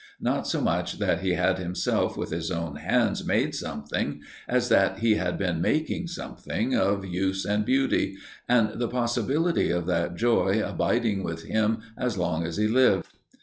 Not so much that he had himself with his own hands made something, as that he had been making something of use and beauty, and the possibility of that joy abiding with him as long as he lived.